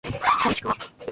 こんちくわ